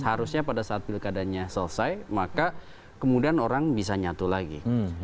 harusnya pada saat pilkadanya selesai maka kemudian orang bisa nyatu lagi